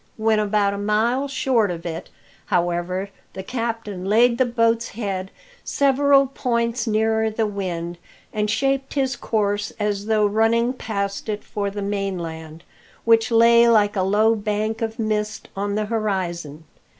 When about a mile short of it, however, the captain laid the boat's head several points nearer the wind, and shaped his course as though running past it for the mainland, which lay like a low bank of mist on the horizon.